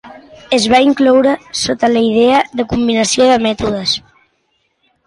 Es van incloure sota la idea de combinació de mètodes.